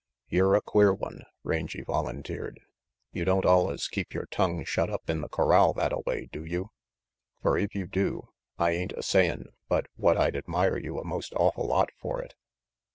"Yer a queer one," Rangy volunteered. "You don't allus keep yore tongue shut up in the corral thattaway, do you? Fer if you do, I ain't a sayin' but what I'd admire you a most awful lot for it.